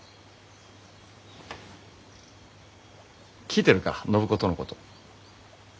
聞いてるか暢子とのこと。